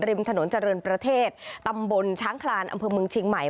ริมถนนเจริญประเทศตำบลช้างคลานอำเภอเมืองเชียงใหม่